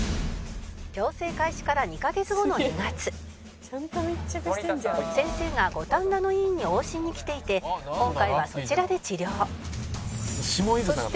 「矯正開始から２カ月後の２月」「先生が五反田の医院に往診に来ていて今回はそちらで治療」